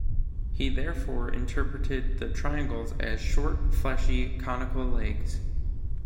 He therefore interpreted the "triangles" as short, fleshy, conical legs.